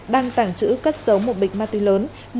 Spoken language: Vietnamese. đang tảng trữ cất giống một bịch ma túy lớn